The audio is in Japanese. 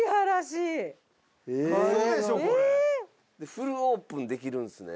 フルオープンできるんですね。